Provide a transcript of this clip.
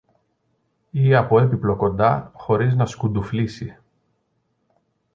ή από έπιπλο κοντά χωρίς να σκουντουφλήσει.